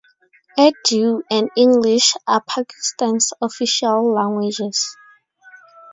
Urdu and English are Pakistan's official languages.